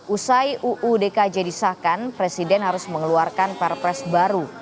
usai uu dki jadi sahkan presiden harus mengeluarkan perpres baru